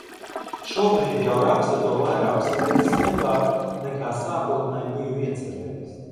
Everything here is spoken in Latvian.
Šobrīd jau rakstu to vairākas reizes ilgāk nekā sākotnēji biju iecerējis.